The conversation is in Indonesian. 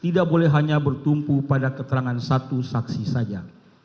tidak boleh hanya bertumpu pada keterangan satu saksi saja